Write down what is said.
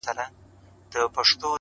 o دا خپله وم،